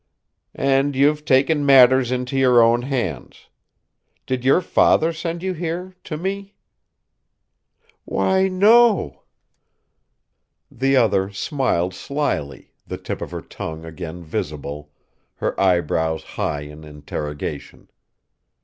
"And you've taken matters into your own hands. Did your father send you here to me?" "Why, no!" The other smiled slyly, the tip of her tongue again visible, her eyebrows high in interrogation.